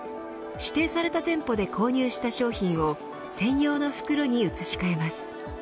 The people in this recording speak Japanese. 指定された店舗で購入した商品を専用の袋に移し替えます。